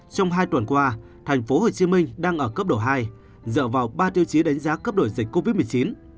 trong hai tuần qua tp hcm đang ở cấp độ hai dựa vào ba tiêu chí đánh giá cấp độ dịch covid một mươi chín